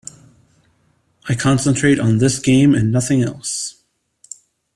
I concentrate on this game and nothing else.